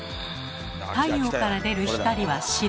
太陽から出る光は白。